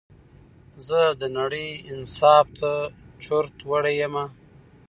زه د نړۍ انصاف ته چورت وړى يمه